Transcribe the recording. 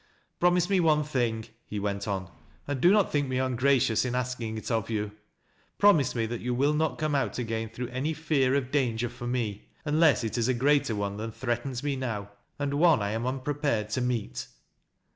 "Promise me one thing," he we it on. " And do net think me ungracious in asking it of you — promise me thai you will not come out again thi'ough any fear of dangoi 172 THAT LASS 0' LOWRISTS. for me, uiilese it is a greater one than threatens me now and one I am unprepared to meet."